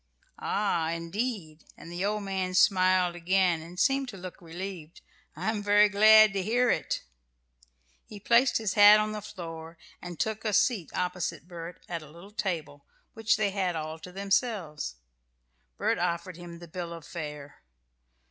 "Ah, indeed!" And the old man smiled again, and seemed to look relieved. "I'm very glad to hear it." He placed his hat on the floor and took a seat opposite Bert at a little table, which they had all to themselves. Bert offered him the bill of fare.